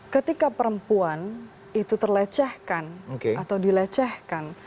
ketika perempuan itu terlecehkan atau dilecehkan